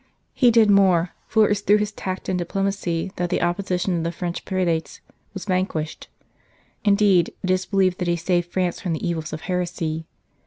He did more, for it was through his tact and diplomacy that the opposition of the French prelates was vanquished. Indeed, it is believed that he saved France from the evils of heresy.